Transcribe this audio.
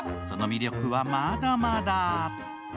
その魅力は、まだまだ。